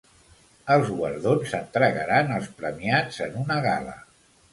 Els guardons s'entregaran als premiats en una gala